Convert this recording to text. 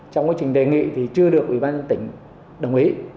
trong quá trình đề nghị thì chưa được ủy ban dân tỉnh đồng ý